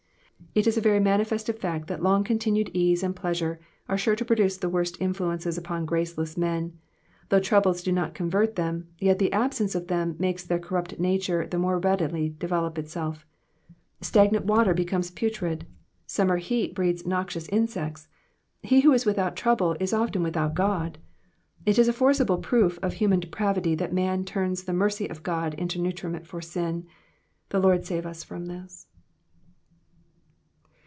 It is a very manifest fact that long continued ease and pleasure are sure to produce the worst influences upon graceless men : though troubles do not convert them, yet the absence of them makes their corrupt nature more readily develop itself. Stagnant water becomes putrid. Sununer heat breeds noxious insects. He who is without trouble is often without God. It is a forcible proof of human depravity that man turns the mercy of God into nutriment for sin : the Lord save us from this.